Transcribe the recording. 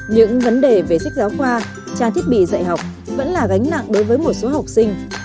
những vấn đề về sách giáo khoa trang thiết bị dạy học vẫn là gánh nặng đối với một số học sinh